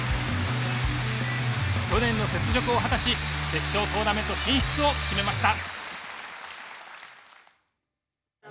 去年の雪辱を果たし決勝トーナメント進出を決めました。